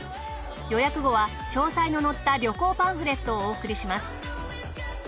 予約後は詳細の載った旅行パンフレットをお送りします。